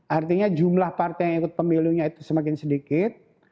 artinya jumlah partai yang ikut pemilunya itu semakin sedikit